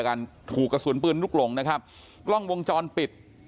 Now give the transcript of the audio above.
กันถูกกระสุนปืนลูกหลงนะครับกล้องวงจรปิด